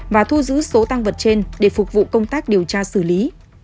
và thu giữ số tăng vật trên để phục vụ công tác điều tra xử lý